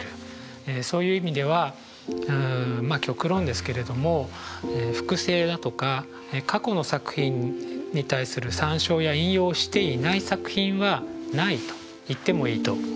そういう意味ではまあ極論ですけれども複製だとか過去の作品に対する参照や引用をしていない作品はないと言ってもいいと思います。